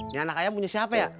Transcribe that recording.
ini anak ayam punya siapa ya